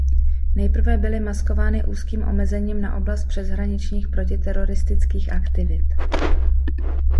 Nejprve byly maskovány úzkým omezením na oblast přeshraničních protiteroristických aktivit.